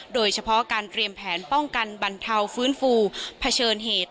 โดยเฉพาะการเตรียมแผนป้องกันบรรเทาฟื้นฟูเผชิญเหตุ